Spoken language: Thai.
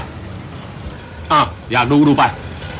อ้าวอยากดูก็ดูไป